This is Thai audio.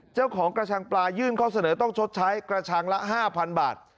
เจ้าของกระชังปลายื่นข้อเสนอต้องชดใช้กระชังละ๕๐๐๐บาท